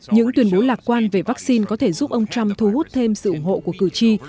những tuyên bố lạc quan về vaccine có thể giúp ông trump thu hút thêm sự ủng hộ của cử tri